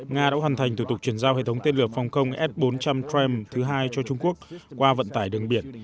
nga đã hoàn thành thủ tục chuyển giao hệ thống tên lửa phòng không s bốn trăm linh tram thứ hai cho trung quốc qua vận tải đường biển